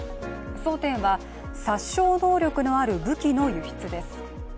争点は殺傷能力のある武器の輸出です。